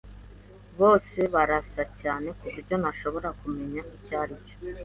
Bose barasa cyane kuburyo ntashobora kumenya icyaricyo.